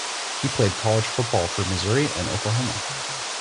He played college football for Missouri and Oklahoma.